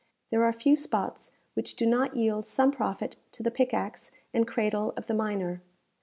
There are few spots which do not yield some profit to the pickaxe and cradle of the miner.